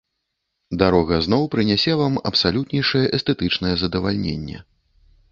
Дарога зноў прынясе вам абсалютнейшае эстэтычнае задавальненне.